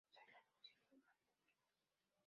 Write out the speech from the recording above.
Soy la luz y el donante de la luz.